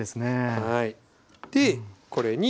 はい。